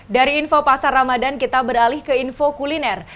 dari info pasar ramadan kita beralih ke info kuliner